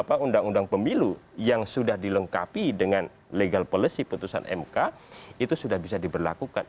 apa undang undang pemilu yang sudah dilengkapi dengan legal policy putusan mk itu sudah bisa diberlakukan